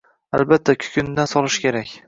Albatta kukunidan solish kerak.